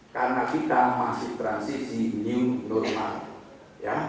karena kita masih transisi new normal